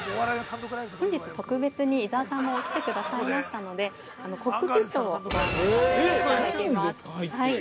◆本日、特別に伊沢さんも来てくださいましたのでコックピットをご案内させていただきます。